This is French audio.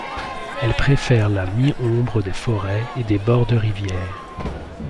Elle préfère la mi-ombre des forêts et des bords de rivières.